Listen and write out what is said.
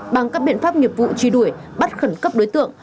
bằng các biện pháp nghiệp vụ truy đuổi bắt khẩn cấp đối tượng